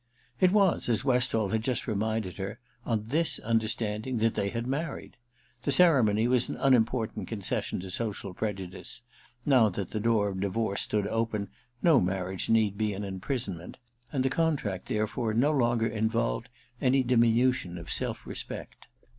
It was, as Westall had just reminded her, on this understanding that they had married. The ceremony was an unimportant concession to social prejudice : now that the door of divorce stood open, no marriage need be an imprison ment, and the contract therefore no longer involved any diminution of self respect.